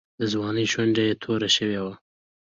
د ځوانۍ شونډه یې توره شوې وه.